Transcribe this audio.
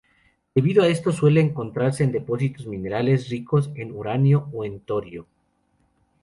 Debido a esto suele encontrarse en depósitos minerales ricos en uranio o en torio.